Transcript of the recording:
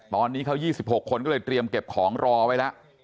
ตอนนี้เขา๒๖คนก็เลยเตรียมเก็บของรอไว้แล้ว